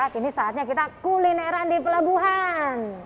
kini saatnya kita kulineran di pelabuhan